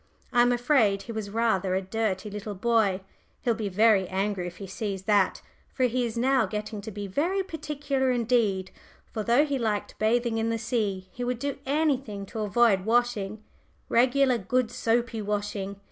I am afraid he was rather a dirty little boy he'll be very angry if he sees that, for he is now getting to be very particular indeed for though he liked bathing in the sea, he would do anything to avoid washing regular good soapy washing.